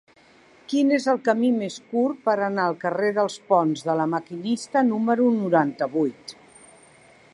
Quin és el camí més curt per anar al carrer dels Ponts de La Maquinista número noranta-vuit?